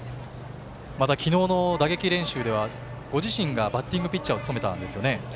また、昨日の打撃練習ではご自身がバッティングピッチャーを務めたんですよね。